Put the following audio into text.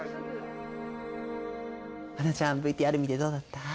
英ちゃんＶＴＲ見てどうだった？